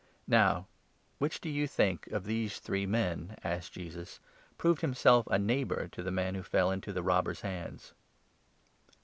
Now which, 36 do you think, of these three men," asked Jesus, "proved himself a neighbour to the man who fell into the robbers' hands?"